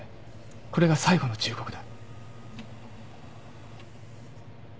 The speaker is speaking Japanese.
これが最後の忠告だ。